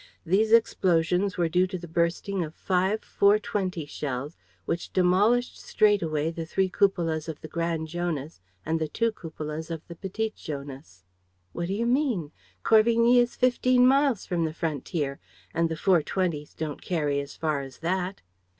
These explosions were due to the bursting of five four twenty shells which demolished straightway the three cupolas of the Grand Jonas and the two cupolas of the Petit Jonas." "What do you mean? Corvigny is fifteen miles from the frontier; and the four twenties don't carry as far as that!"